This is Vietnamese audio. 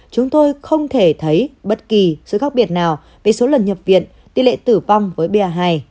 chúng tôi không thể thấy bất kỳ sự khác biệt nào về số lần nhập viện tỷ lệ tử vong với ba hai